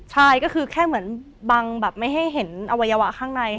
ใช่ก็คือแค่เหมือนบังแบบไม่ให้เห็นอวัยวะข้างใน